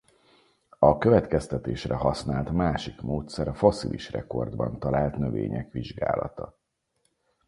A következtetésre használt másik módszer a fosszilis rekordban talált növények vizsgálata.